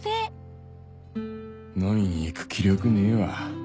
飲みに行く気力ねえわ